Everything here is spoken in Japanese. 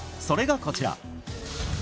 それがこちら。